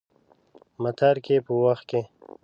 متارکې په وخت کې.